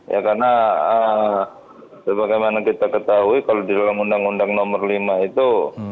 ya karena bagaimana kita ketahui kalau di dalam undang undang nomor lima itu